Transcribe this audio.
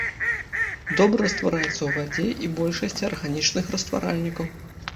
Добра раствараецца ў вадзе і большасці арганічных растваральнікаў.